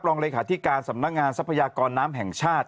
รองเลขาธิการสำนักงานทรัพยากรน้ำแห่งชาติ